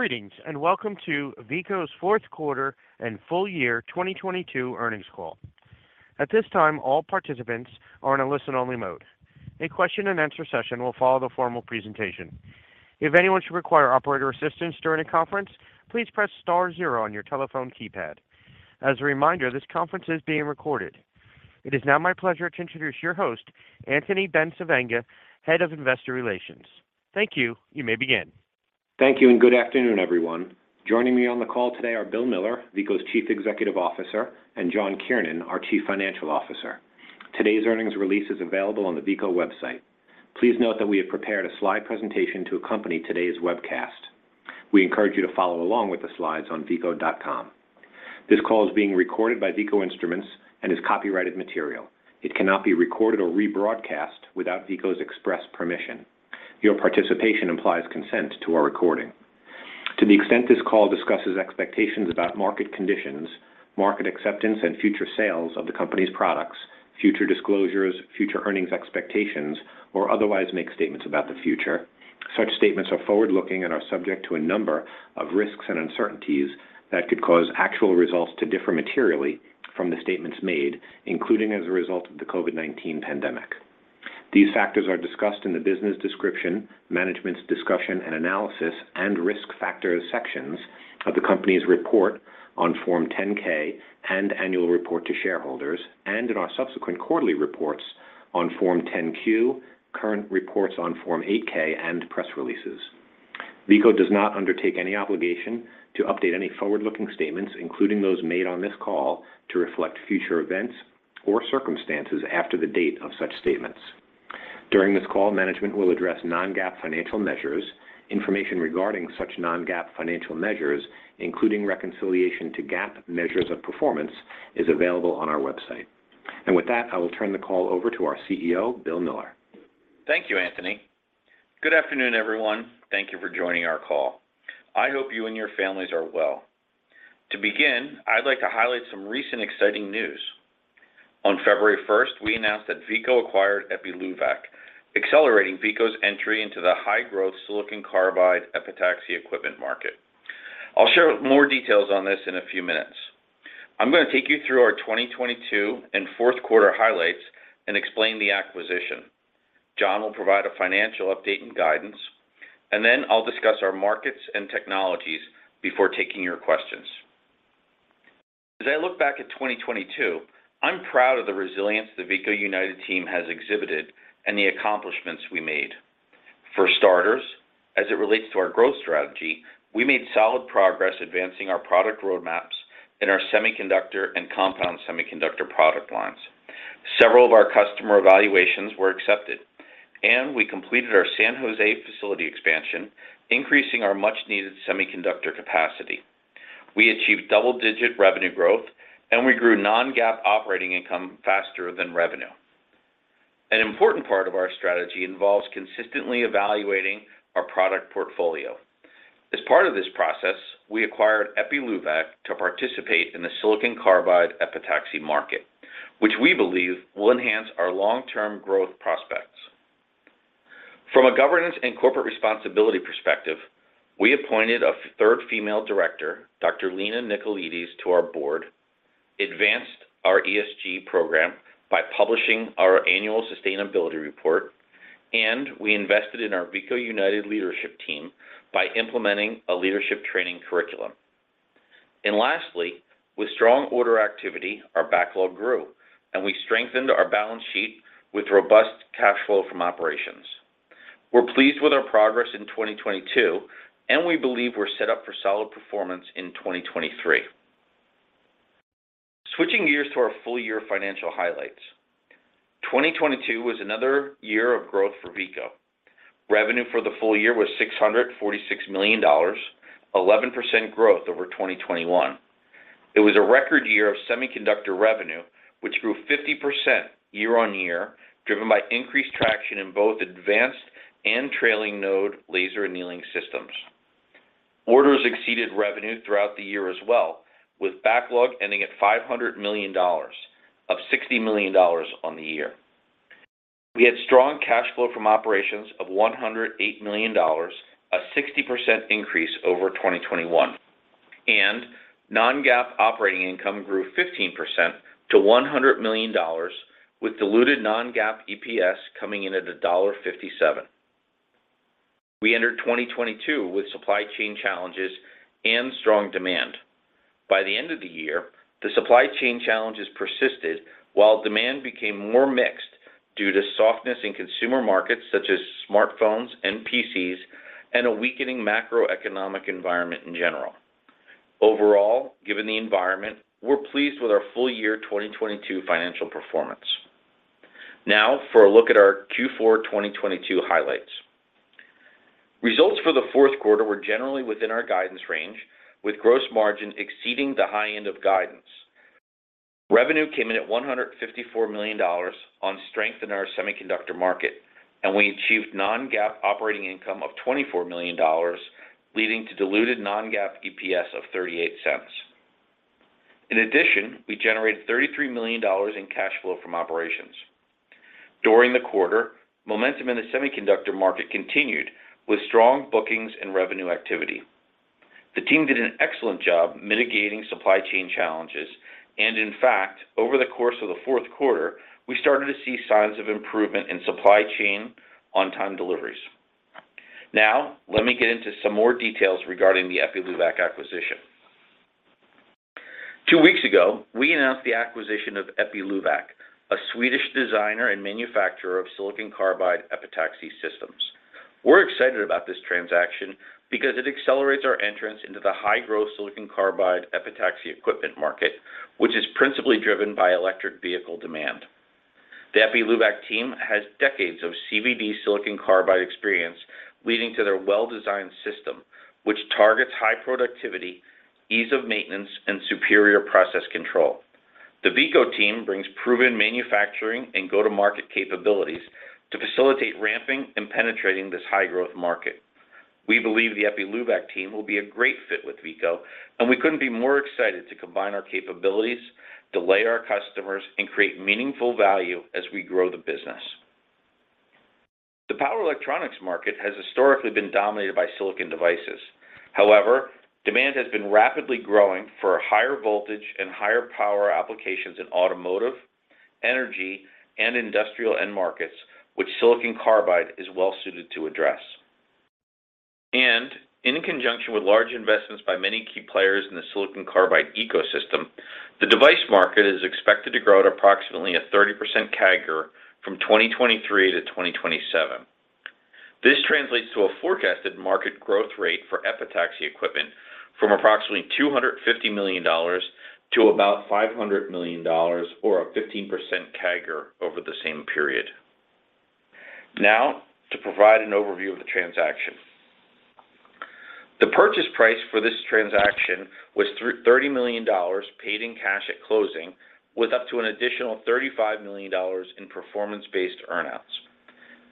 Greetings, and welcome to Veeco's fourth quarter and full year 2022 earnings call. At this time, all participants are in a listen-only mode. A question and answer session will follow the formal presentation. If anyone should require operator assistance during the conference, please press star zero on your telephone keypad. As a reminder, this conference is being recorded. It is now my pleasure to introduce your host, Anthony Bencivenga, Head of Investor Relations. Thank you. You may begin. Thank you, and good afternoon, everyone. Joining me on the call today are Bill Miller, Veeco's Chief Executive Officer, and John Kiernan, our Chief Financial Officer. Today's earnings release is available on the Veeco website. Please note that we have prepared a slide presentation to accompany today's webcast. We encourage you to follow along with the slides on veeco.com. This call is being recorded by Veeco Instruments and is copyrighted material. It cannot be recorded or rebroadcast without Veeco's express permission. Your participation implies consent to our recording. To the extent this call discusses expectations about market conditions, market acceptance, and future sales of the company's products, future disclosures, future earnings expectations, or otherwise makes statements about the future, such statements are forward-looking and are subject to a number of risks and uncertainties that could cause actual results to differ materially from the statements made, including as a result of the COVID-19 pandemic. These factors are discussed in the Business Description, Management's Discussion and Analysis, and Risk Factors sections of the company's report on Form 10-K and Annual Report to Shareholders and in our subsequent quarterly reports on Form 10-Q, current reports on Form 8-K, and press releases. Veeco does not undertake any obligation to update any forward-looking statements, including those made on this call, to reflect future events or circumstances after the date of such statements. During this call, management will address non-GAAP financial measures. Information regarding such non-GAAP financial measures, including reconciliation to GAAP measures of performance, is available on our website. With that, I will turn the call over to our CEO, Bill Miller. Thank you, Anthony. Good afternoon, everyone. Thank you for joining our call. I hope you and your families are well. To begin, I'd like to highlight some recent exciting news. On February first, we announced that Veeco acquired Epiluvac, accelerating Veeco's entry into the high-growth silicon carbide epitaxy equipment market. I'll share more details on this in a few minutes. I'm going to take you through our 2022 and fourth quarter highlights and explain the acquisition. John will provide a financial update and guidance, and then I'll discuss our markets and technologies before taking your questions. As I look back at 2022, I'm proud of the resilience the Veeco United team has exhibited and the accomplishments we made. For starters, as it relates to our growth strategy, we made solid progress advancing our product roadmaps in our semiconductor and compound semiconductor product lines. Several of our customer evaluations were accepted, and we completed our San Jose facility expansion, increasing our much-needed semiconductor capacity. We achieved double-digit revenue growth, and we grew non-GAAP operating income faster than revenue. An important part of our strategy involves consistently evaluating our product portfolio. As part of this process, we acquired Epiluvac to participate in the silicon carbide epitaxy market, which we believe will enhance our long-term growth prospects. From a governance and corporate responsibility perspective, we appointed a third female director, Dr. Lena Nicolaides, to our board, advanced our ESG program by publishing our annual sustainability report, and we invested in our Veeco United leadership team by implementing a leadership training curriculum. Lastly, with strong order activity, our backlog grew, and we strengthened our balance sheet with robust cash flow from operations. We're pleased with our progress in 2022, and we believe we're set up for solid performance in 2023. Switching gears to our full year financial highlights. 2022 was another year of growth for Veeco. Revenue for the full year was $646 million, 11% growth over 2021. It was a record year of semiconductor revenue, which grew 50% year-on-year, driven by increased traction in both advanced and trailing node laser annealing systems. Orders exceeded revenue throughout the year as well, with backlog ending at $500 million, up $60 million on the year. We had strong cash flow from operations of $108 million, a 60% increase over 2021. Non-GAAP operating income grew 15% to $100 million, with diluted non-GAAP EPS coming in at $1.57. We entered 2022 with supply chain challenges and strong demand. By the end of the year, the supply chain challenges persisted while demand became more mixed due to softness in consumer markets such as smartphones and PCs and a weakening macroeconomic environment in general. Overall, given the environment, we're pleased with our full year 2022 financial performance. Now for a look at our Q4 2022 highlights. Results for the fourth quarter were generally within our guidance range, with gross margin exceeding the high end of guidance. Revenue came in at $154 million on strength in our semiconductor market, and we achieved non-GAAP operating income of $24 million, leading to diluted non-GAAP EPS of $0.38. In addition, we generated $33 million in cash flow from operations. During the quarter, momentum in the semiconductor market continued with strong bookings and revenue activity. The team did an excellent job mitigating supply chain challenges. In fact, over the course of the fourth quarter, we started to see signs of improvement in supply chain on-time deliveries. Let me get into some more details regarding the Epiluvac acquisition. Two weeks ago, we announced the acquisition of Epiluvac, a Swedish designer and manufacturer of silicon carbide epitaxy systems. We're excited about this transaction because it accelerates our entrance into the high-growth silicon carbide epitaxy equipment market, which is principally driven by electric vehicle demand. The Epiluvac team has decades of CVD silicon carbide experience, leading to their well-designed system, which targets high productivity, ease of maintenance, and superior process control. The Veeco team brings proven manufacturing and go-to-market capabilities to facilitate ramping and penetrating this high-growth market. We believe the Epiluvac team will be a great fit with Veeco, we couldn't be more excited to combine our capabilities, delay our customers, and create meaningful value as we grow the business. The power electronics market has historically been dominated by silicon devices. However, demand has been rapidly growing for higher voltage and higher power applications in automotive, energy, and industrial end markets, which silicon carbide is well suited to address. In conjunction with large investments by many key players in the silicon carbide ecosystem, the device market is expected to grow at approximately a 30% CAGR from 2023 to 2027. This translates to a forecasted market growth rate for epitaxy equipment from approximately $250 million to about $500 million or a 15% CAGR over the same period. To provide an overview of the transaction. The purchase price for this transaction was $30 million paid in cash at closing, with up to an additional $35 million in performance-based earn-outs.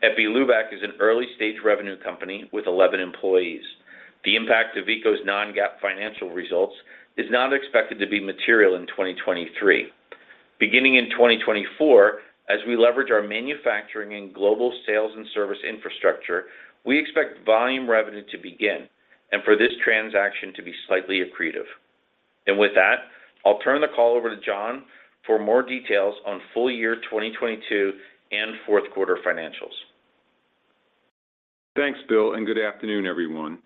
Epiluvac is an early-stage revenue company with 11 employees. The impact of Veeco's non-GAAP financial results is not expected to be material in 2023. Beginning in 2024, as we leverage our manufacturing and global sales and service infrastructure, we expect volume revenue to begin and for this transaction to be slightly accretive. With that, I'll turn the call over to John for more details on full year 2022 and fourth quarter financials. Thanks, Bill. Good afternoon, everyone.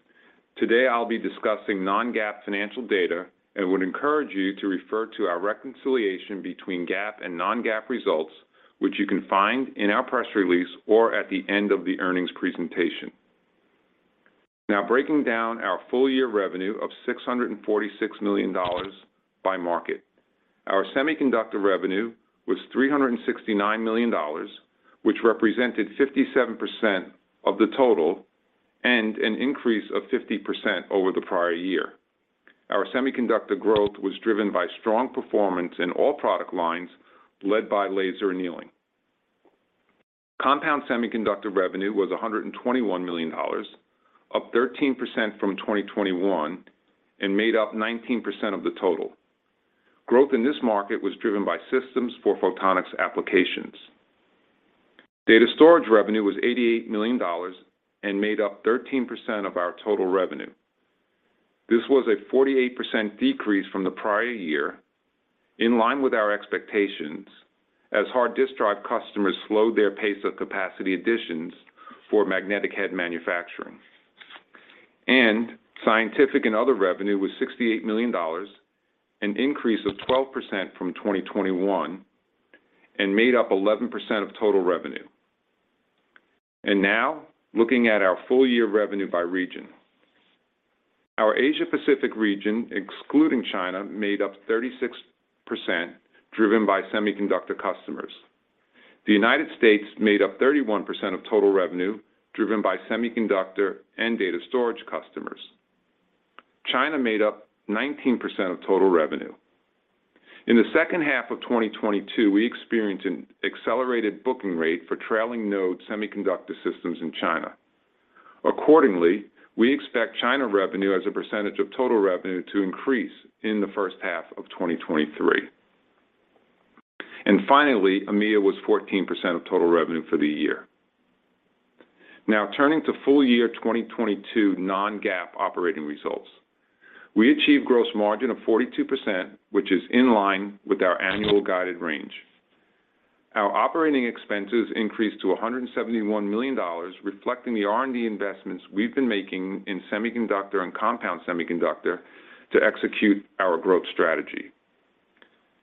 Today, I'll be discussing non-GAAP financial data and would encourage you to refer to our reconciliation between GAAP and non-GAAP results, which you can find in our press release or at the end of the earnings presentation. Breaking down our full year revenue of $646 million by market. Our semiconductor revenue was $369 million, which represented 57% of the total and an increase of 50% over the prior year. Our semiconductor growth was driven by strong performance in all product lines, led by laser annealing. Compound semiconductor revenue was $121 million, up 13% from 2021 and made up 19% of the total. Growth in this market was driven by systems for photonics applications. Data storage revenue was $88 million and made up 13% of our total revenue. This was a 48% decrease from the prior year, in line with our expectations as hard disk drive customers slowed their pace of capacity additions for magnetic head manufacturing. Scientific and other revenue was $68 million, an increase of 12% from 2021, and made up 11% of total revenue. Now looking at our full year revenue by region. Our Asia Pacific region, excluding China, made up 36%, driven by semiconductor customers. The United States made up 31% of total revenue, driven by semiconductor and data storage customers. China made up 19% of total revenue. In the second half of 2022, we experienced an accelerated booking rate for trailing node semiconductor systems in China. Accordingly, we expect China revenue as a percentage of total revenue to increase in the first half of 2023. Finally, EMEA was 14% of total revenue for the year. Now turning to full year 2022 non-GAAP operating results. We achieved gross margin of 42%, which is in line with our annual guided range. Our operating expenses increased to $171 million, reflecting the R&D investments we've been making in semiconductor and compound semiconductor to execute our growth strategy.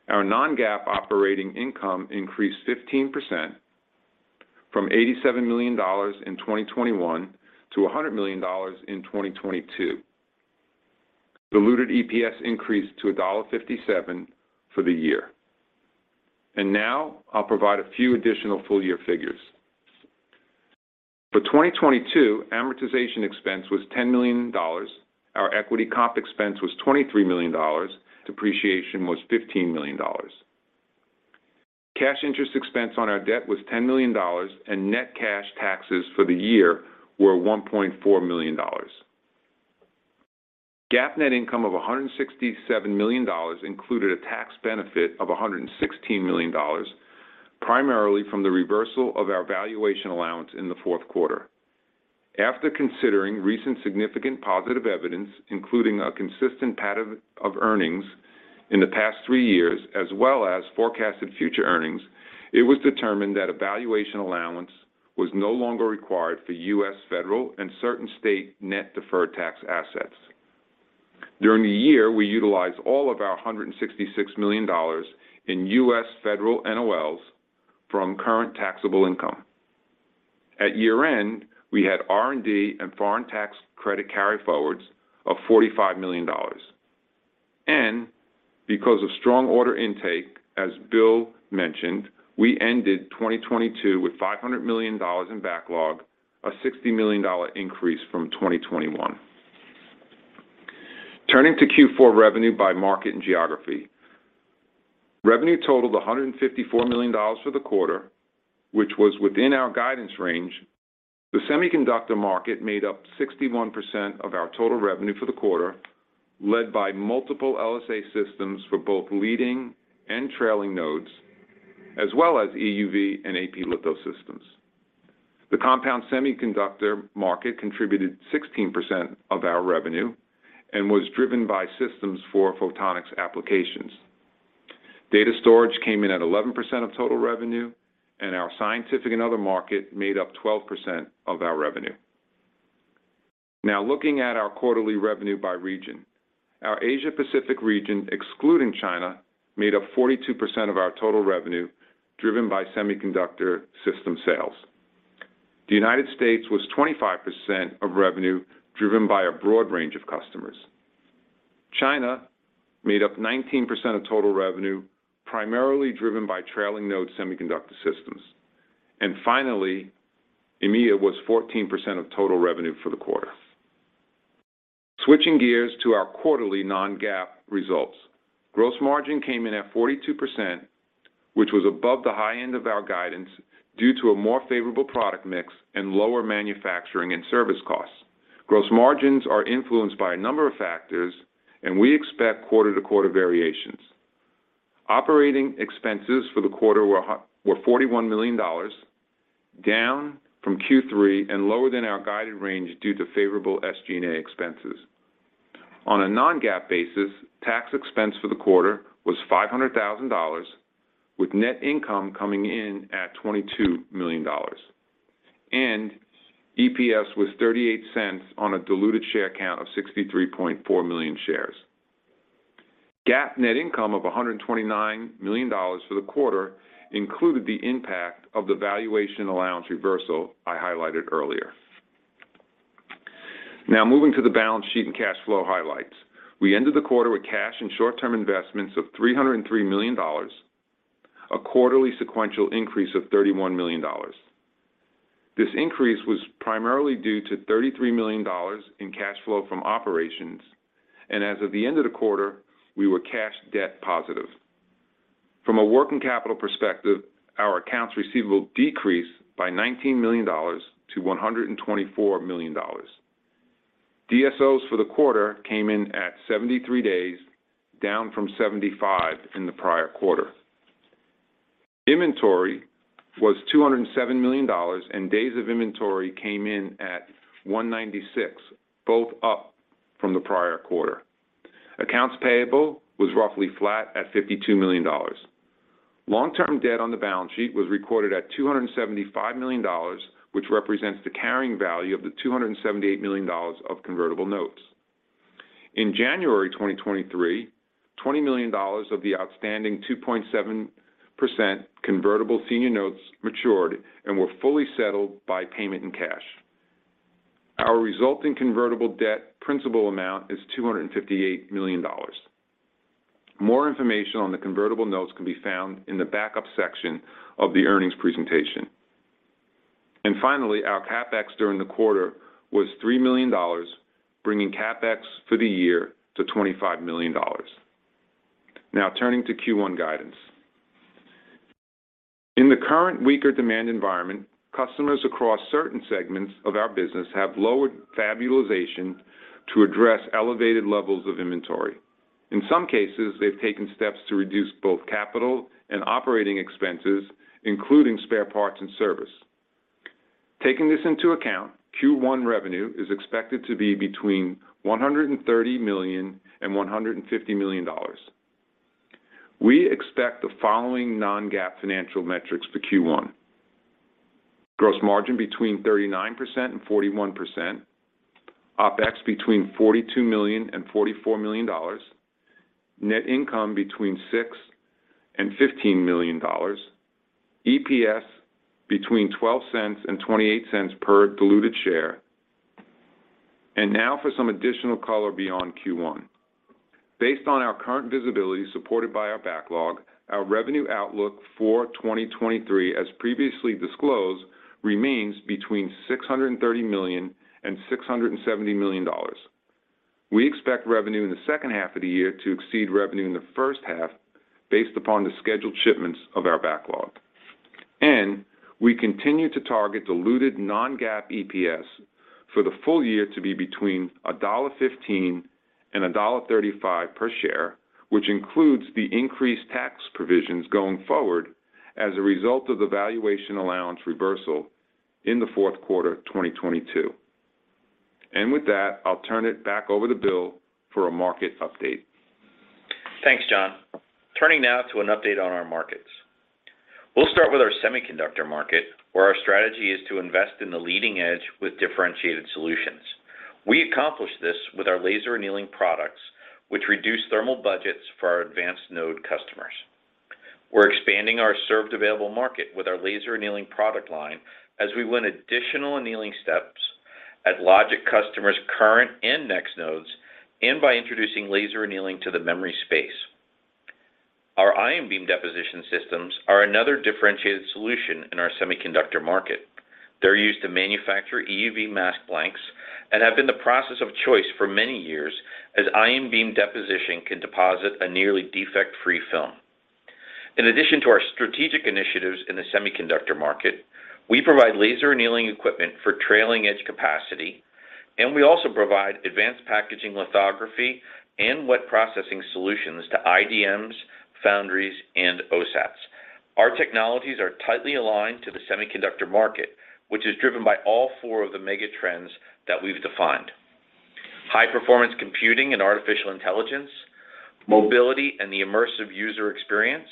Our non-GAAP operating income increased 15% from $87 million in 2021 to $100 million in 2022. Diluted EPS increased to $1.57 for the year. Now I'll provide a few additional full year figures. For 2022, amortization expense was $10 million. Our equity comp expense was $23 million. Depreciation was $15 million. Cash interest expense on our debt was $10 million, and net cash taxes for the year were $1.4 million. GAAP net income of $167 million included a tax benefit of $116 million, primarily from the reversal of our valuation allowance in the fourth quarter. After considering recent significant positive evidence, including a consistent pattern of earnings in the past three years, as well as forecasted future earnings, it was determined that a valuation allowance was no longer required for U.S. federal and certain state net-deferred tax assets. During the year, we utilized all of our $166 million in U.S. federal NOLs from current taxable income. At year-end, we had R&D and foreign tax credit carryforwards of $45 million. Because of strong order intake, as Bill mentioned, we ended 2022 with $500 million in backlog, a $60 million increase from 2021. Turning to Q4 revenue by market and geography. Revenue totaled $154 million for the quarter, which was within our guidance range. The semiconductor market made up 61% of our total revenue for the quarter, led by multiple LSA systems for both leading and trailing nodes, as well as EUV and AP Litho systems. The compound semiconductor market contributed 16% of our revenue and was driven by systems for photonics applications. Data storage came in at 11% of total revenue, and our scientific and other market made up 12% of our revenue. Looking at our quarterly revenue by region. Our Asia-Pacific region, excluding China, made up 42% of our total revenue, driven by semiconductor system sales. The United States was 25% of revenue, driven by a broad range of customers. China made up 19% of total revenue, primarily driven by trailing node semiconductor systems. Finally, EMEA was 14% of total revenue for the quarter. Switching gears to our quarterly non-GAAP results. Gross margin came in at 42%, which was above the high end of our guidance due to a more favorable product mix and lower manufacturing and service costs. Gross margins are influenced by a number of factors, we expect quarter-to-quarter variations. Operating expenses for the quarter were $41 million, down from Q3 and lower than our guided range due to favorable SG&A expenses. On a non-GAAP basis, tax expense for the quarter was $500,000, with net income coming in at $22 million. EPS was $0.38 on a diluted share count of 63.4 million shares. GAAP net income of $129 million for the quarter included the impact of the valuation allowance reversal I highlighted earlier. Now, moving to the balance sheet and cash flow highlights. We ended the quarter with cash and short-term investments of $303 million, a quarterly sequential increase of $31 million. This increase was primarily due to $33 million in cash flow from operations, and as of the end of the quarter, we were cash debt positive. From a working capital perspective, our accounts receivable decreased by $19 million to $124 million. DSOs for the quarter came in at 73 days, down from 75 in the prior quarter. Inventory was $207 million, and days of inventory came in at 196, both up from the prior quarter. Accounts payable was roughly flat at $52 million. Long-term debt on the balance sheet was recorded at $275 million, which represents the carrying value of the $278 million of convertible notes. In January 2023, $20 million of the outstanding 2.7% convertible senior notes matured and were fully settled by payment in cash. Our resulting convertible debt principal amount is $258 million. More information on the convertible notes can be found in the backup section of the earnings presentation. Finally, our CapEx during the quarter was $3 million, bringing CapEx for the year to $25 million. Now, turning to Q1 guidance. In the current weaker demand environment, customers across certain segments of our business have lowered fab utilization to address elevated levels of inventory. In some cases, they've taken steps to reduce both capital and operating expenses, including spare parts and service. Taking this into account, Q1 revenue is expected to be between $130 million and $150 million. We expect the following non-GAAP financial metrics for Q1. Gross margin between 39% and 41%. OpEx between $42 million and $44 million. Net income between $6 million and $15 million. EPS between $0.12 and $0.28 per diluted share. Now for some additional color beyond Q1. Based on our current visibility supported by our backlog, our revenue outlook for 2023, as previously disclosed, remains between $630 million and $670 million. We expect revenue in the second half of the year to exceed revenue in the first half based upon the scheduled shipments of our backlog. We continue to target diluted non-GAAP EPS for the full year to be between $1.15 and $1.35 per share, which includes the increased tax provisions going forward as a result of the valuation allowance reversal in the fourth quarter of 2022. And with that, I'll turn it back over to Bill for a market update. Thanks, John. Turning now to an update on our markets. We'll start with our semiconductor market, where our strategy is to invest in the leading edge with differentiated solutions. We accomplish this with our laser annealing products, which reduce thermal budgets for our advanced node customers. We're expanding our served available market with our laser annealing product line as we win additional annealing steps at logic customers' current and next nodes, and by introducing laser annealing to the memory space. Our ion beam deposition systems are another differentiated solution in our semiconductor market. They're used to manufacture EUV mask blanks and have been the process of choice for many years as ion beam deposition can deposit a nearly defect-free film. In addition to our strategic initiatives in the semiconductor market, we provide laser annealing equipment for trailing-edge capacity, and we also provide advanced packaging lithography and wet processing solutions to IDMs, foundries, and OSATs. Our technologies are tightly aligned to the semiconductor market, which is driven by all four of the mega trends that we've defined: high-performance computing and artificial intelligence, mobility and the immersive user experience,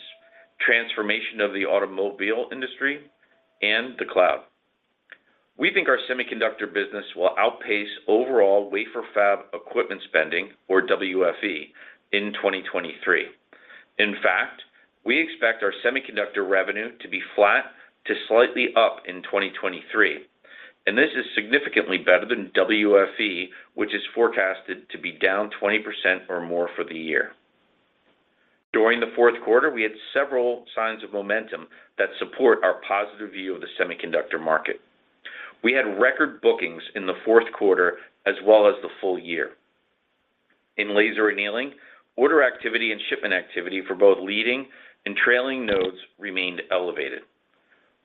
transformation of the automobile industry, and the cloud. We think our semiconductor business will outpace overall wafer fab equipment spending, or WFE, in 2023. In fact, we expect our semiconductor revenue to be flat to slightly up in 2023, and this is significantly better than WFE, which is forecasted to be down 20% or more for the year. During the fourth quarter, we had several signs of momentum that support our positive view of the semiconductor market. We had record bookings in the fourth quarter as well as the full year. In laser annealing, order activity and shipment activity for both leading and trailing nodes remained elevated.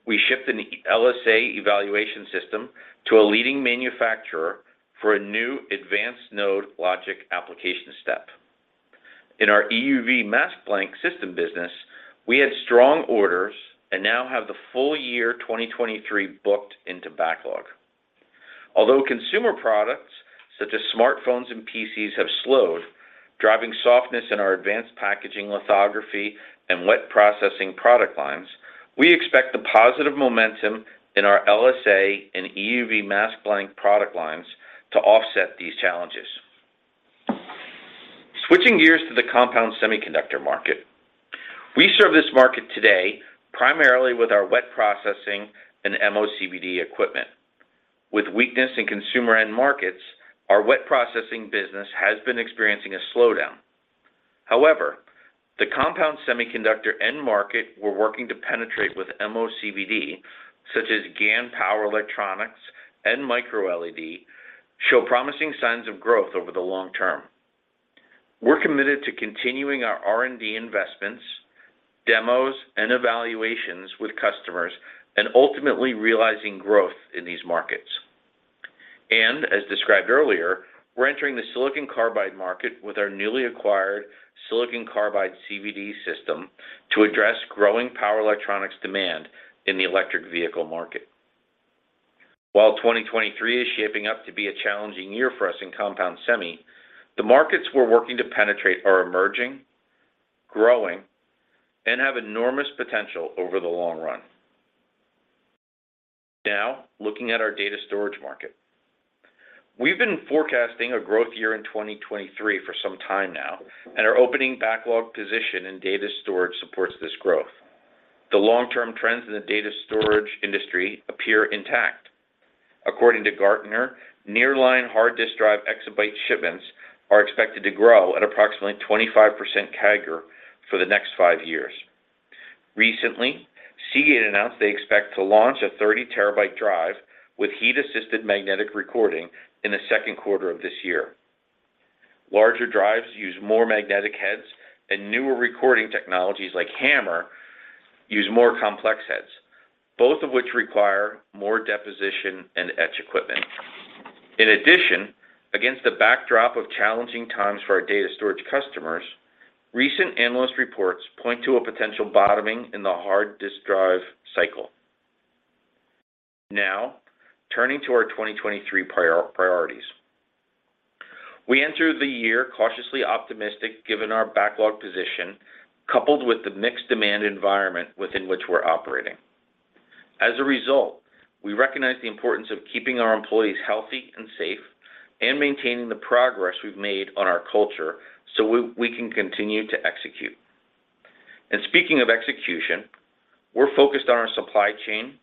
We shipped an LSA evaluation system to a leading manufacturer for a new advanced node logic application step. In our EUV mask blank system business, we had strong orders and now have the full year 2023 booked into backlog. Although consumer products such as smartphones and PCs have slowed, driving softness in our advanced packaging lithography and wet processing product lines, we expect the positive momentum in our LSA and EUV mask blank product lines to offset these challenges. Switching gears to the compound semiconductor market. We serve this market today primarily with our wet processing and MOCVD equipment. With weakness in consumer end markets, our wet processing business has been experiencing a slowdown. However, the compound semiconductor end market we're working to penetrate with MOCVD, such as GaN power electronics and micro-LED, show promising signs of growth over the long term. We're committed to continuing our R&D investments, demos, and evaluations with customers, and ultimately realizing growth in these markets. As described earlier, we're entering the silicon carbide market with our newly acquired silicon carbide CVD system to address growing power electronics demand in the electric vehicle market. While 2023 is shaping up to be a challenging year for us in compound semi, the markets we're working to penetrate are emerging, growing, and have enormous potential over the long run. Looking at our data storage market. We've been forecasting a growth year in 2023 for some time now, and our opening backlog position in data storage supports this growth. The long-term trends in the data storage industry appear intact. According to Gartner, nearline hard disk drive exabyte shipments are expected to grow at approximately 25% CAGR for the next five years. Recently, Seagate announced they expect to launch a 30 terabyte drive with heat-assisted magnetic recording in the second quarter of this year. Larger drives use more magnetic heads, and newer recording technologies like HAMR use more complex heads, both of which require more deposition and etch equipment. In addition, against the backdrop of challenging times for our data storage customers, recent analyst reports point to a potential bottoming in the hard disk drive cycle. Now, turning to our 2023 prior-priorities. We enter the year cautiously optimistic given our backlog position, coupled with the mixed demand environment within which we're operating. As a result, we recognize the importance of keeping our employees healthy and safe and maintaining the progress we've made on our culture so we can continue to execute. Speaking of execution, we're focused on our supply chain,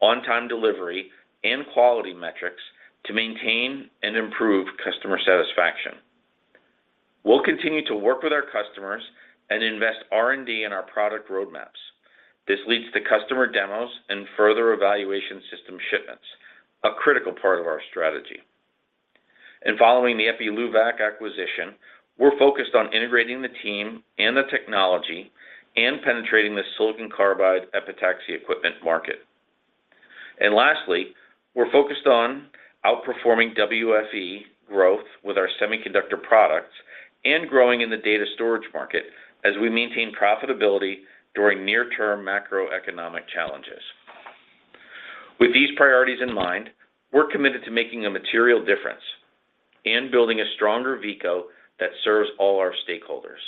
on-time delivery, and quality metrics to maintain and improve customer satisfaction. We'll continue to work with our customers and invest R&D in our product roadmaps. This leads to customer demos and further evaluation system shipments, a critical part of our strategy. Following the Epiluvac acquisition, we're focused on integrating the team and the technology and penetrating the silicon carbide epitaxy equipment market. Lastly, we're focused on outperforming WFE growth with our semiconductor products and growing in the data storage market as we maintain profitability during near-term macroeconomic challenges. With these priorities in mind, we're committed to making a material difference and building a stronger Veeco that serves all our stakeholders.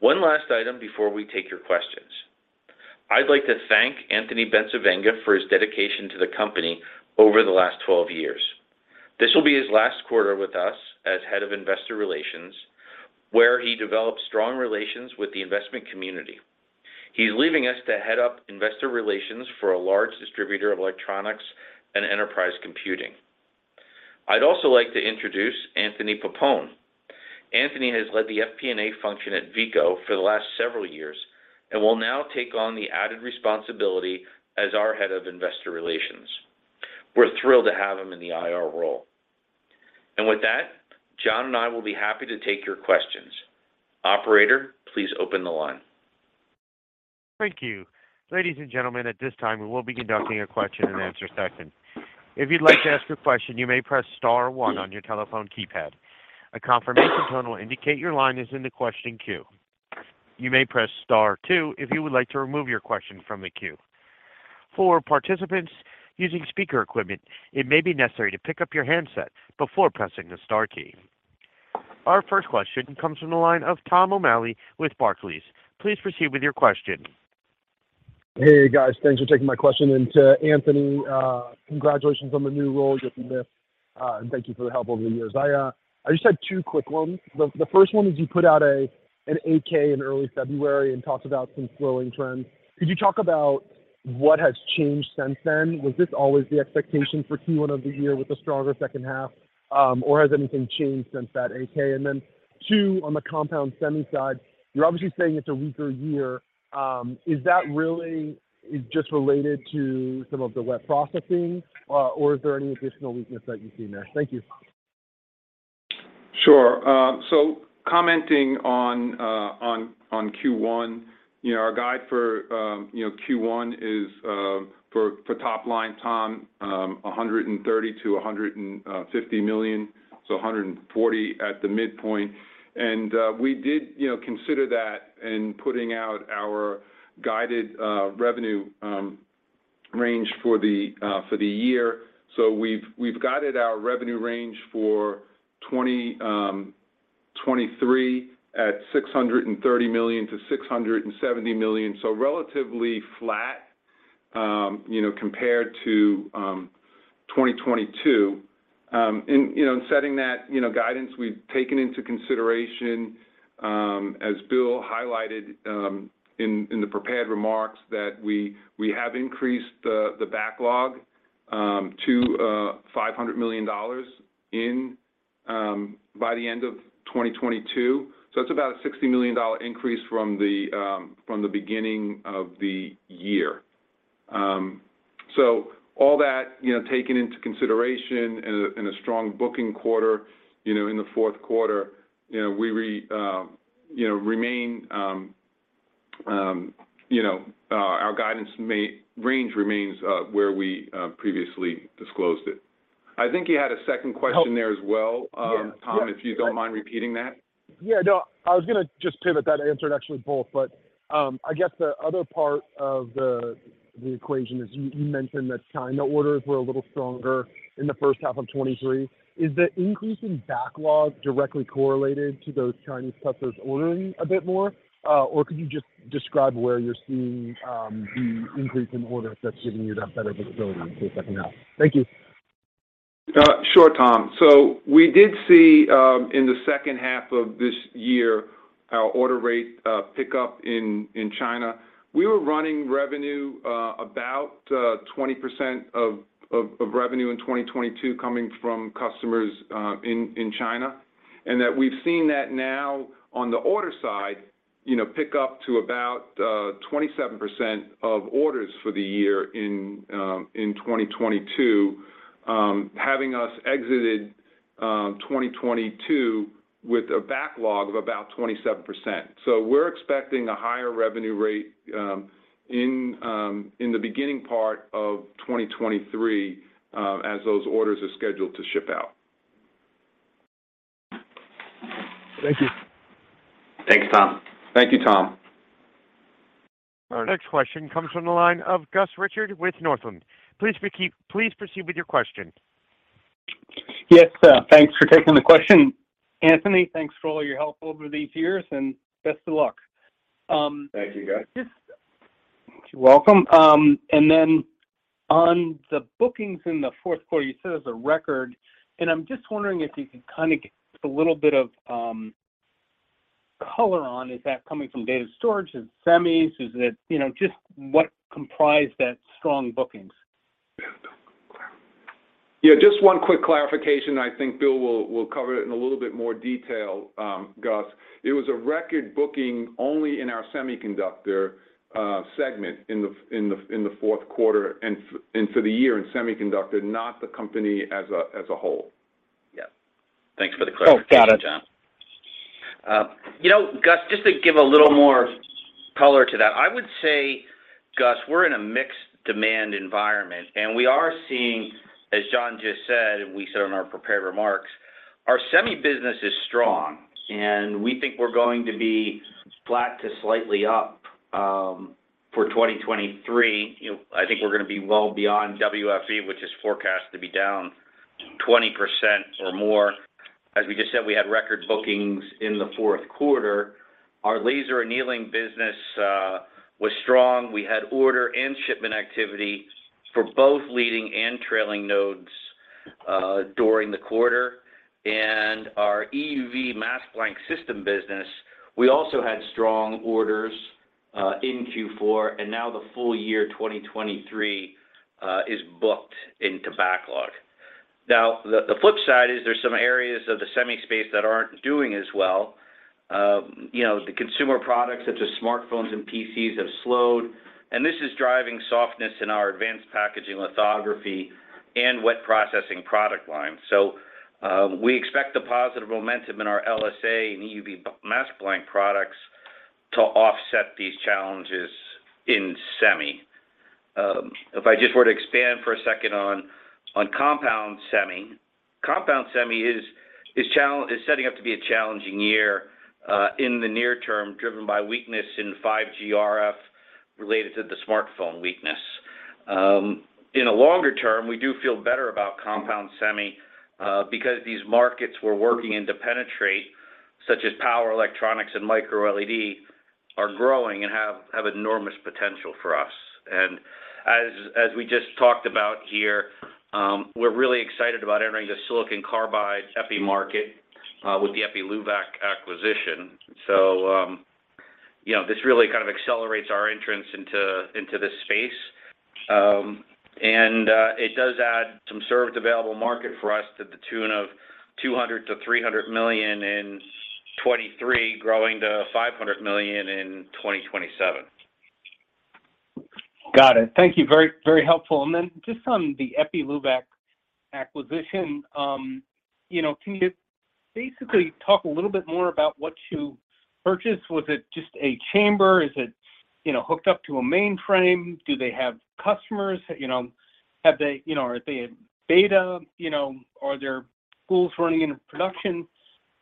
One last item before we take your questions. I'd like to thank Anthony Bencivenga for his dedication to the company over the last 12 years. This will be his last quarter with us as Head of Investor Relations, where he developed strong relations with the investment community. He's leaving us to head up investor relations for a large distributor of electronics and enterprise computing. I'd also like to introduce Anthony Pappone. Anthony has led the FP&A function at Veeco for the last several years and will now take on the added responsibility as our Head of Investor Relations. We're thrilled to have him in the IR role. With that, John and I will be happy to take your questions. Operator, please open the line. Thank you. Ladies and gentlemen, at this time, we will be conducting a question and answer session. If you'd like to ask a question, you may press star one on your telephone keypad. A confirmation tone will indicate your line is in the question queue. You may press star two if you would like to remove your question from the queue. For participants using speaker equipment, it may be necessary to pick up your handset before pressing the star key. Our first question comes from the line of Tom O'Malley with Barclays. Please proceed with your question. Hey, guys. Thanks for taking my question. To Anthony, congratulations on the new role you're in with, and thank you for the help over the years. I just had two quick ones. The first one is you put out a, an 8-K in early February and talked about some slowing trends. Could you talk about what has changed since then? Was this always the expectation for Q1 of the year with a stronger second half, or has anything changed since that 8-K? Then two, on the compound semi side, you're obviously saying it's a weaker year. Is that really just related to some of the wet processing, or is there any additional weakness that you see there? Thank you. Sure. Commenting on Q1, you know, our guide for, you know, Q1 is for top line, Tom, $130 million-$150 million, so $140 at the midpoint. We did, you know, consider that in putting out our guided revenue range for the year. We've guided our revenue range for 2023 at $630 million-$670 million. Relatively flat, you know, compared to 2022. In setting that, you know, guidance, we've taken into consideration, as Bill highlighted, in the prepared remarks that we have increased the backlog to $500 million by the end of 2022. That's about a $60 million increase from the beginning of the year. All that, you know, taken into consideration in a strong booking quarter, you know, in the fourth quarter, you know, we remain, you know, our guidance range remains where we previously disclosed it. I think you had a second question there as well. Yes. Tom, if you don't mind repeating that. Yeah, no. I was gonna just pivot. That answered actually both. I guess the other part of the equation is you mentioned that China orders were a little stronger in the first half of 2023. Is the increase in backlog directly correlated to those Chinese customers ordering a bit more? Or could you just describe where you're seeing the increase in orders that's giving you that better visibility into the second half? Thank you. Sure, Tom. We did see in the second half of this year our order rate pick up in China. We were running revenue about 20% of revenue in 2022 coming from customers in China. That we've seen that now on the order side, you know, pick up to about 27% of orders for the year in 2022, having us exited 2022 with a backlog of about 27%. We're expecting a higher revenue rate in the beginning part of 2023 as those orders are scheduled to ship out. Thank you. Thanks, Tom. Thank you, Tom. Our next question comes from the line of Gus Richard with Northland. Please proceed with your question. Yes, thanks for taking the question. Anthony, thanks for all your help over these years, and best of luck. Thank you, Gus. You're welcome. On the bookings in the fourth quarter, you said it was a record, and I'm just wondering if you could kind of give us a little bit of color on is that coming from data storage? Is it semis? Is it, you know, just what comprised that strong bookings? Just one quick clarification. I think Bill will cover it in a little bit more detail, Gus. It was a record booking only in our semiconductor segment in the fourth quarter, and for the year in semiconductor, not the company as a whole. Yes. Thanks for the clarification, John. Oh, got it. You know, Gus, just to give a little more color to that, I would say, Gus, we're in a mixed demand environment, and we are seeing, as John just said, and we said in our prepared remarks, our semi business is strong, and we think we're going to be flat to slightly up for 2023. You know, I think we're gonna be well beyond WFE, which is forecast to be down 20% or more. As we just said, we had record bookings in the fourth quarter. Our laser annealing business was strong. We had order and shipment activity for both leading and trailing nodes during the quarter. Our EUV mask blank system business, we also had strong orders in Q4, and now the full year 2023 is booked into backlog. The flip side is there's some areas of the semi space that aren't doing as well. You know, the consumer products such as smartphones and PCs have slowed, this is driving softness in our advanced packaging lithography and wet processing product line. We expect the positive momentum in our LSA and EUV mask blank products to offset these challenges in semi. If I just were to expand for a second on compound semi. Compound semi is setting up to be a challenging year in the near term, driven by weakness in 5G RF related to the smartphone weakness. In a longer term, we do feel better about compound semi because these markets we're working in to penetrate, such as power electronics and micro-LED, are growing and have enormous potential for us. As we just talked about here, we're really excited about entering the silicon carbide EPI market with the Epiluvac acquisition. You know, this really kind of accelerates our entrance into this space. It does add some served available market for us to the tune of $200 million-$300 million in 2023, growing to $500 million in 2027. Got it. Thank you. Very, very helpful. Then just on the Epiluvac acquisition, you know, can you basically talk a little bit more about what you purchased? Was it just a chamber? Is it, you know, hooked up to a mainframe? Do they have customers? You know, have they, you know, are they in beta? You know, are there tools running in production?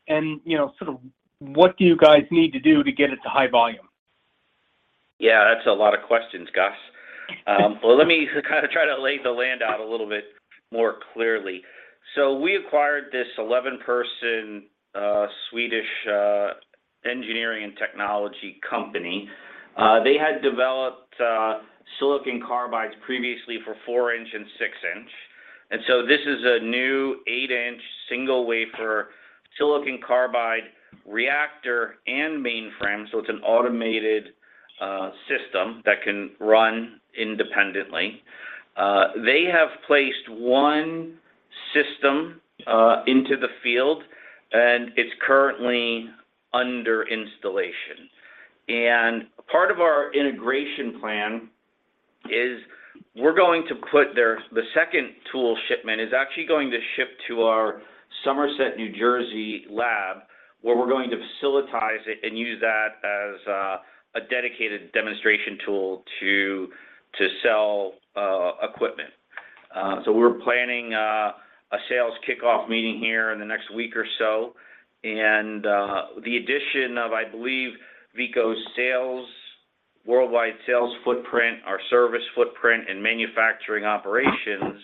You know, sort of what do you guys need to do to get it to high volume? Yeah, that's a lot of questions, Gus. Well, let me kind of try to lay the land out a little bit more clearly. We acquired this 11-person Swedish engineering and technology company. They had developed silicon carbide previously for 4 in and 6 in. This is a new 8 in single wafer silicon carbide reactor and mainframe, so it's an automated system that can run independently. They have placed one system into the field, and it's currently under installation. Part of our integration plan is we're going to put the second tool shipment is actually going to ship to our Somerset, New Jersey lab, where we're going to facilitize it and use that as a dedicated demonstration tool to sell equipment. We're planning a sales kickoff meeting here in the next week or so. The addition of, I believe, Veeco's sales, worldwide sales footprint, our service footprint, and manufacturing operations,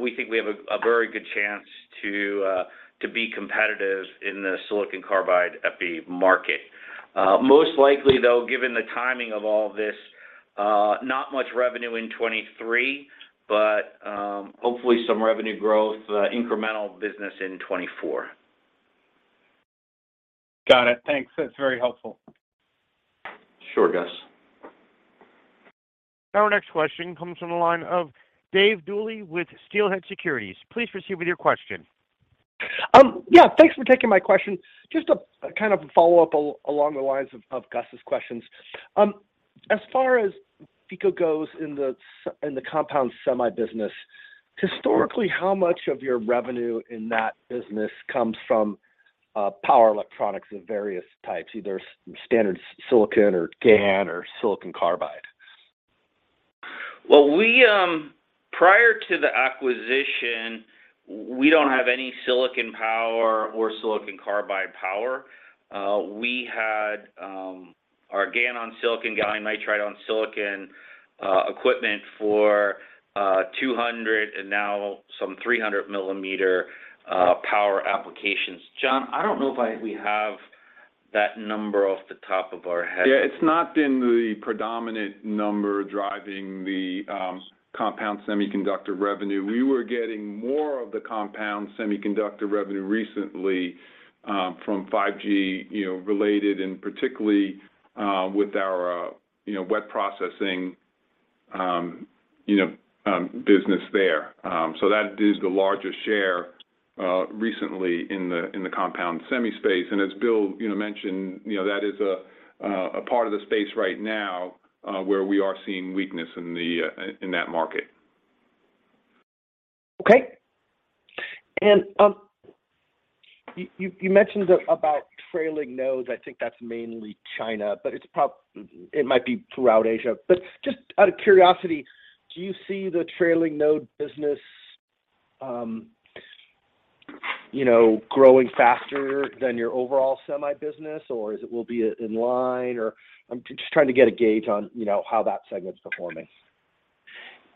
we think we have a very good chance to be competitive in the silicon carbide EPI market. Most likely, though, given the timing of all this, not much revenue in 2023, but hopefully some revenue growth, incremental business in 2024. Got it. Thanks. That's very helpful. Sure, Gus. Our next question comes from the line of Dave Duley with Steelhead Securities. Please proceed with your question. Yeah, thanks for taking my question. Just a kind of follow-up along the lines of Gus's questions. As far as Veeco goes in the compound semi business, historically, how much of your revenue in that business comes from power electronics of various types, either standard silicon or GaN or silicon carbide? We, prior to the acquisition, we don't have any silicon power or silicon carbide power. We had, our GaN on silicon, gallium nitride on silicon, equipment for, 200 and now some 300 mm, power applications. John, I don't know if we have that number off the top of our head. Yeah, it's not been the predominant number driving the compound semiconductor revenue. We were getting more of the compound semiconductor revenue recently from 5G, you know, related and particularly with our, you know, wet processing business there. That is the largest share recently in the compound semi space. As Bill, you know, mentioned, you know, that is a part of the space right now where we are seeing weakness in that market. Okay. You mentioned about trailing nodes. I think that's mainly China, but it's It might be throughout Asia. Just out of curiosity, do you see the trailing node business, you know, growing faster than your overall semi business, or is it will be in line? I'm just trying to get a gauge on, you know, how that segment's performing.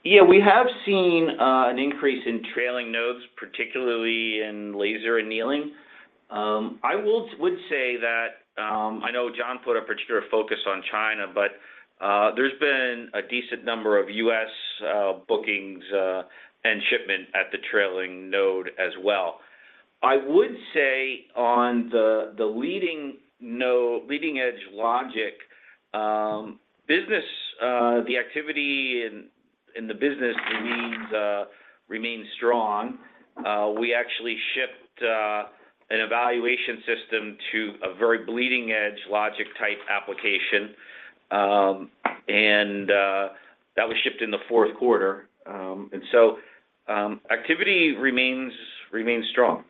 Yeah, we have seen an increase in trailing nodes, particularly in laser annealing. I would say that I know John put a particular focus on China, but there's been a decent number of U.S. bookings and shipment at the trailing node as well. I would say on the leading edge logic business, the activity in the business remains strong. We actually shipped an evaluation system to a very bleeding edge logic type application. That was shipped in the fourth quarter. Activity remains strong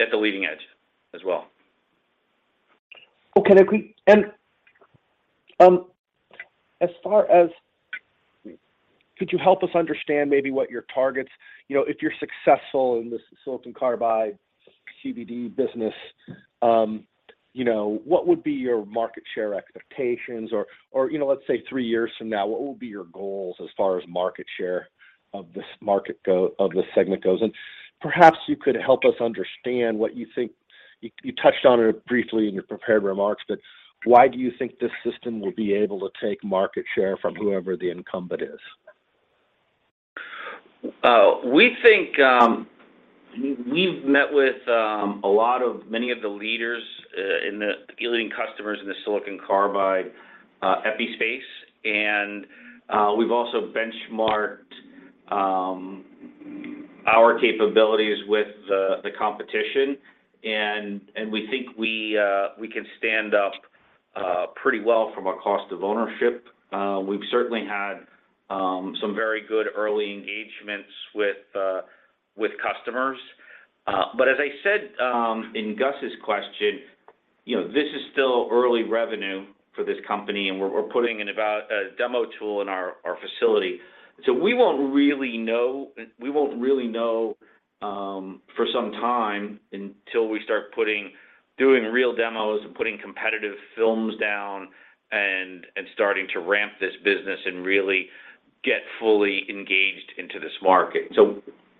at the leading edge as well. Okay. Could you help us understand maybe what your targets, you know, if you're successful in this silicon carbide CVD business, you know, what would be your market share expectations, or, you know, let's say three years from now, what will be your goals as far as market share of this market of this segment goes? Perhaps you could help us understand. You touched on it briefly in your prepared remarks, but why do you think this system will be able to take market share from whoever the incumbent is? We think, we've met with a lot of many of the leaders in the leading customers in the silicon carbide EPI space, and we've also benchmarked our capabilities with the competition, and we think we can stand up pretty well from a cost of ownership. We've certainly had some very good early engagements with customers. As I said, in Gus's question, you know, this is still early revenue for this company, and we're putting in about a demo tool in our facility. We won't really know for some time until we start putting, doing real demos and putting competitive films down and starting to ramp this business and really get fully engaged into this market.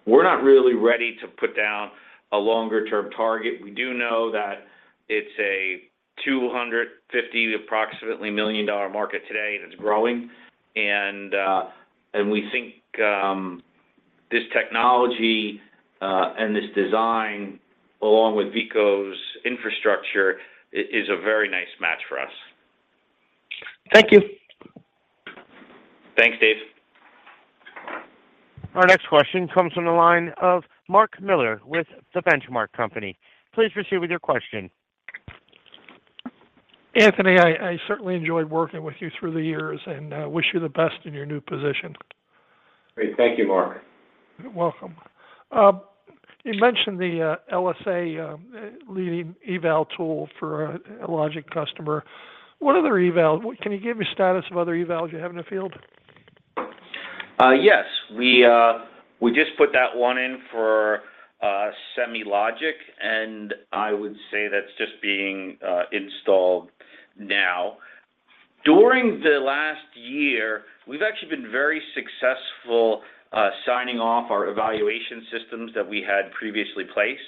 We're not really ready to put down a longer term target. We do know that it's an approximately $250 million market today, and it's growing. We think, this technology, and this design, along with Veeco's infrastructure is a very nice match for us. Thank you. Thanks, Dave. Our next question comes from the line of Mark Miller with The Benchmark Company. Please proceed with your question. Anthony, I certainly enjoyed working with you through the years, and wish you the best in your new position. Great. Thank you, Mark. You're welcome. You mentioned the LSA leading eval tool for a logic customer. Can you give me status of other evals you have in the field? Yes. We just put that one in for semi logic, and I would say that's just being installed now. During the last year, we've actually been very successful signing off our evaluation systems that we had previously placed.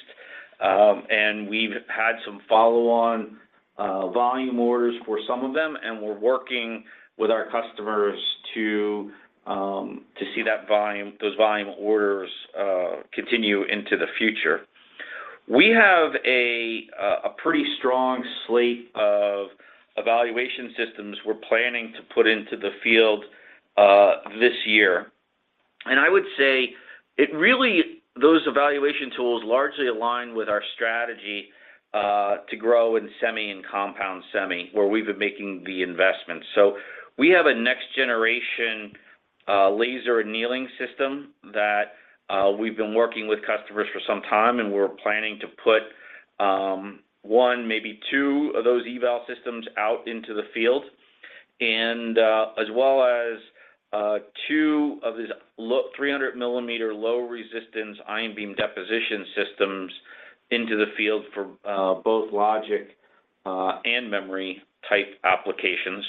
We've had some follow on volume orders for some of them, and we're working with our customers to see that volume, those volume orders, continue into the future. We have a pretty strong slate of evaluation systems we're planning to put into the field this year. I would say it really, those evaluation tools largely align with our strategy to grow in semi and compound semi, where we've been making the investments. We have a next generation laser annealing system that we've been working with customers for some time, and we're planning to put one, maybe two of those eval systems out into the field. As well as two of these 300 millimeter low resistance ion beam deposition systems into the field for both logic and memory type applications,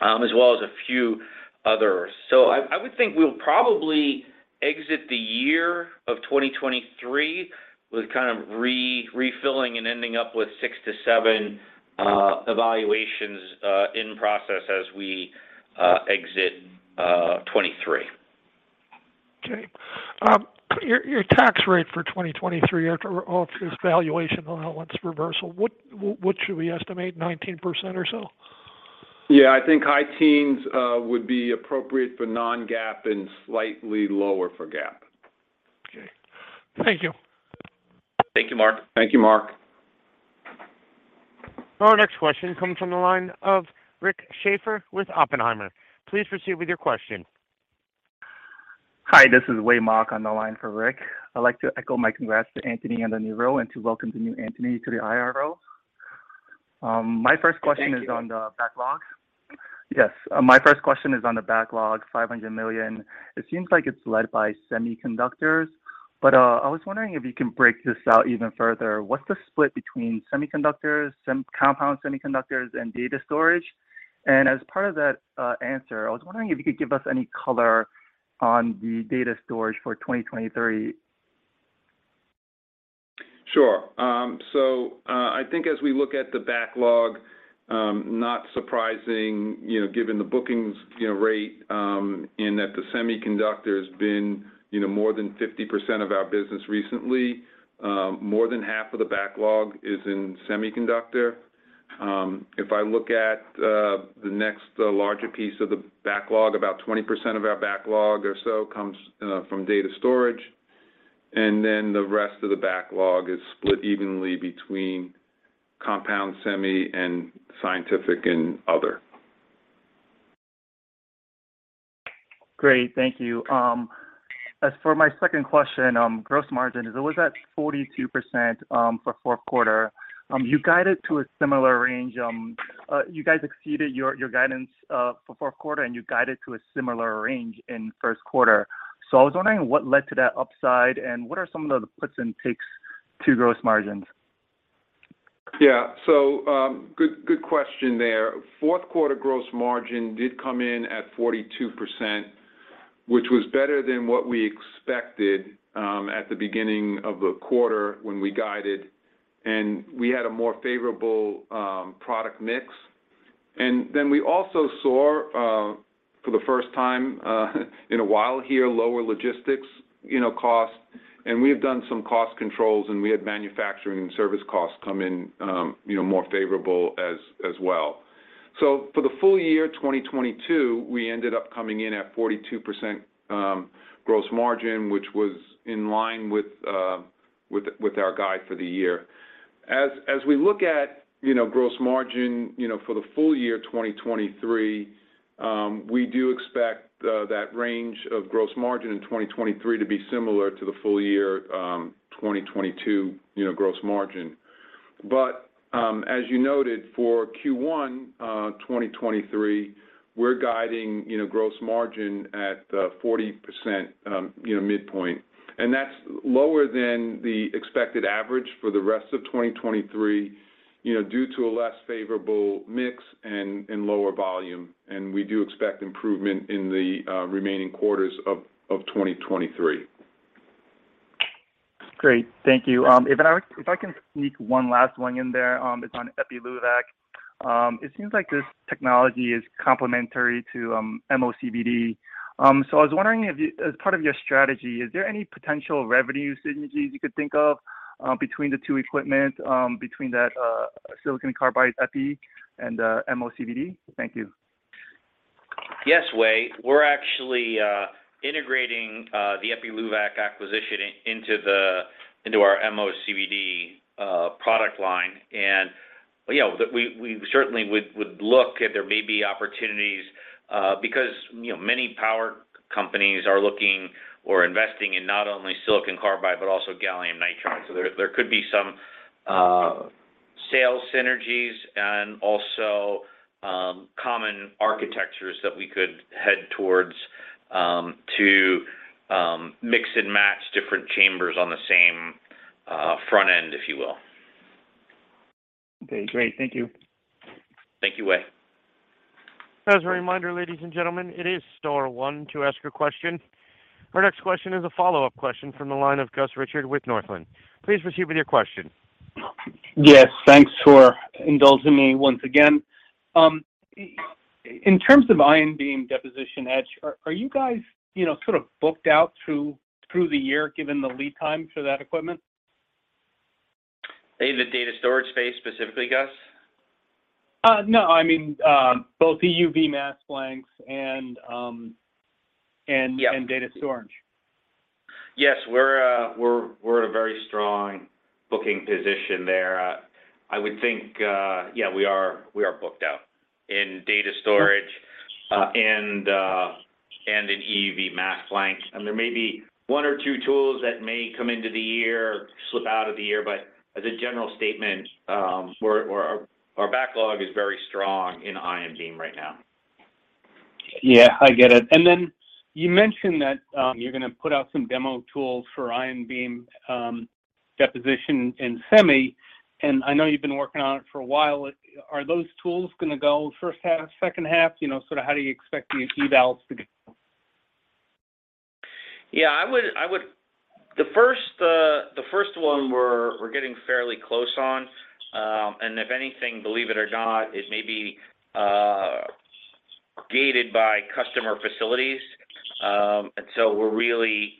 as well as a few others. I would think we'll probably exit the year of 2023 with kind of refilling and ending up with six to seven evaluations in process as we exit 2023. Okay. Your tax rate for 2023 after all this valuation allowance reversal, what should we estimate, 19% or so? Yeah, I think high teens would be appropriate for non-GAAP and slightly lower for GAAP. Okay. Thank you. Thank you, Mark. Thank you, Mark. Our next question comes from the line of Rick Schafer with Oppenheimer. Please proceed with your question. Hi, this is Wei Mok on the line for Rick. I'd like to echo my congrats to Anthony on the new role and to welcome the new Anthony to the IRO. My first question- Thank you. is on the backlogs. Yes. My first question is on the backlog, $500 million. It seems like it's led by semiconductors, but, I was wondering if you can break this out even further. What's the split between semiconductors, compound semiconductors, and data storage? As part of that answer, I was wondering if you could give us any color on the data storage for 2023. Sure. I think as we look at the backlog, not surprising, you know, given the bookings, you know, rate, in that the semiconductor has been, you know, more than 50% of our business recently. More than half of the backlog is in semiconductor. If I look at the next larger piece of the backlog, about 20% of our backlog or so comes from data storage. The rest of the backlog is split evenly between compound semi, and scientific, and other. Great. Thank you. As for my second question, gross margin is always at 42% for fourth quarter. You guided to a similar range, you guys exceeded your guidance for fourth quarter, and you guided to a similar range in first quarter. I was wondering what led to that upside, and what are some of the puts and takes to gross margins? Yeah. Good, good question there. Fourth quarter gross margin did come in at 42%, which was better than what we expected at the beginning of the quarter when we guided, and we had a more favorable product mix. We also saw for the first time in a while here, lower logistics, you know, costs. We have done some cost controls, and we had manufacturing and service costs come in, you know, more favorable as well. For the full year 2022, we ended up coming in at 42% gross margin, which was in line with our guide for the year. As we look at, you know, gross margin, you know, for the full year 2023, we do expect that range of gross margin in 2023 to be similar to the full year 2022, you know, gross margin. As you noted, for Q1 2023, we're guiding, you know, gross margin at 40%, you know, midpoint. That's lower than the expected average for the rest of 2023, you know, due to a less favorable mix and lower volume. We do expect improvement in the remaining quarters of 2023. Great. Thank you. If I can sneak one last one in there, it's on Epiluvac. It seems like this technology is complementary to MOCVD. I was wondering if as part of your strategy, is there any potential revenue synergies you could think of between the two equipment, between that silicon carbide Epi and the MOCVD? Thank you. Yes, Wei. We're actually integrating the Epiluvac acquisition into our MOCVD product line. You know, we certainly would look if there may be opportunities because, you know, many power companies are looking or investing in not only silicon carbide, but also gallium nitride. There, there could be some sales synergies and also common architectures that we could head towards to mix and match different chambers on the same front end, if you will. Okay, great. Thank you. Thank you, Wei. As a reminder, ladies and gentlemen, it is star one to ask a question. Our next question is a follow-up question from the line of Gus Richard with Northland. Please proceed with your question. Yes. Thanks for indulging me once again. In terms of ion beam deposition, Edge, are you guys, you know, sort of booked out through the year, given the lead time for that equipment? In the data storage space specifically, Gus? No, I mean, both EUV mask blanks and. Yeah. Data storage. Yes. We're in a very strong booking position there. I would think, yeah, we are booked out in data storage, and in EUV mask blanks. There may be one or two tools that may come into the year or slip out of the year, but as a general statement, our backlog is very strong in ion beam right now. Yeah, I get it. You mentioned that you're gonna put out some demo tools for ion beam deposition in semi, and I know you've been working on it for a while. Are those tools gonna go first half, second half? You know, sort of how do you expect the evals to go? Yeah. I would... The first one we're getting fairly close on. If anything, believe it or not, it may be gated by customer facilities. We're really,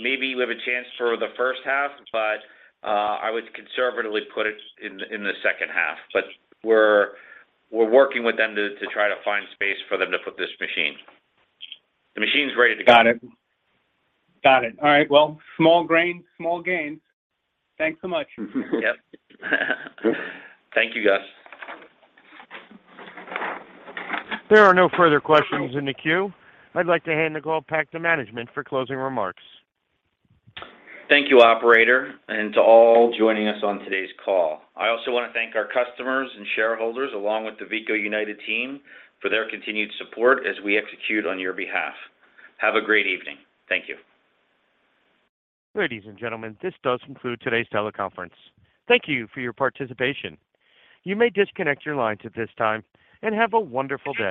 maybe we have a chance for the first half, but I would conservatively put it in the second half. We're working with them to try to find space for them to put this machine. The machine's ready to go. Got it. All right. Well, small grain, small gains. Thanks so much. Yep. Thank you, Gus. There are no further questions in the queue. I'd like to hand the call back to management for closing remarks. Thank you, operator, and to all joining us on today's call. I also wanna thank our customers and shareholders, along with the Veeco United team, for their continued support as we execute on your behalf. Have a great evening. Thank you. Ladies and gentlemen, this does conclude today's teleconference. Thank you for your participation. You may disconnect your lines at this time, and have a wonderful day.